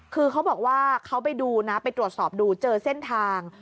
คือเขาบอกว่าเขาไปดูนะไปตรวจสอบดูเจอเส้นทาง